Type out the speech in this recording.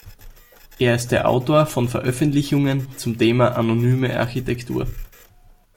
Er ist der Autor von Veröffentlichungen zum Thema Anonyme Architektur.